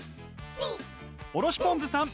おろしぽんづさん